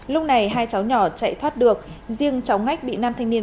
lúc này hai cháu nhỏ chạy thoát được riêng cháu ngách bị nam thanh niên